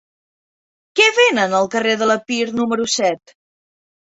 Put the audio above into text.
Què venen al carrer de l'Epir número set?